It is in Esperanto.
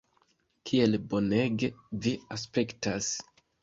Kiel bonege vi aspektas!